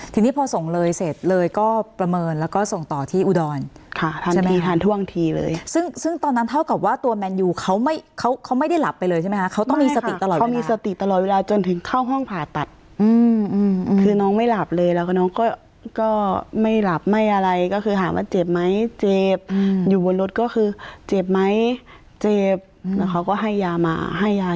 ทีนี้พอส่งเลยเสร็จเลยก็ประเมินแล้วก็ส่งต่อที่อุดรค่ะทันทีทันท่วงทีเลยซึ่งซึ่งตอนนั้นเท่ากับว่าตัวแมนยูเขาไม่เขาเขาไม่ได้หลับไปเลยใช่ไหมคะเขาต้องมีสติตลอดเขามีสติตลอดเวลาจนถึงเข้าห้องผ่าตัดคือน้องไม่หลับเลยแล้วก็น้องก็ก็ไม่หลับไม่อะไรก็คือถามว่าเจ็บไหมเจ็บอยู่บนรถก็คือเจ็บไหมเจ็บแล้วเขาก็ให้ยามาให้ยา